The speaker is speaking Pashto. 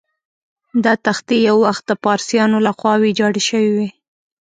دا تختې یو وخت د پارسیانو له خوا ویجاړ شوې وې.